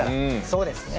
そうですね。